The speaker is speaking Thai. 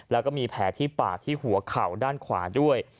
แล้วก็มีแผลที่ปากที่หัวเข่าด้านขวาด้วย